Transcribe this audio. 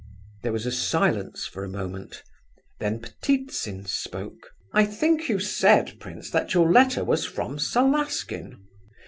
There was silence for a moment. Then Ptitsin spoke. "I think you said, prince, that your letter was from Salaskin?